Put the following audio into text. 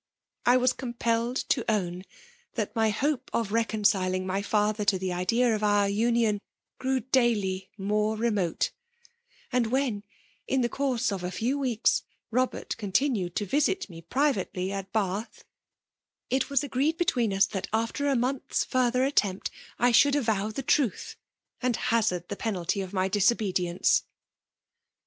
I was compelled, to own that my hope of reconciling my father to the idea of out unidn grew daily more remote; 4eoA when, in the course of a few weeks, Bobert ediltinued to visit me privately at Bath, it was agreed between us that, after a month's further Attempt, I should avow the truth, and hazard the penalty of my disobedience.